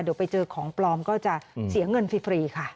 เดี๋ยวไปเจอของปลอมก็จะเสียเงินฟรีค่ะ